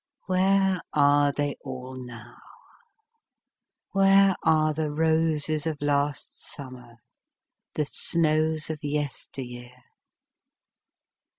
Where are they all now ? Where are the roses of last summer, the snows of yester year